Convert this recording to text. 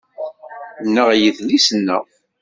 Nneɣ yedlisen-a